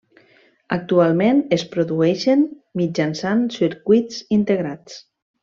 Actualment es produeixen mitjançant circuits integrats.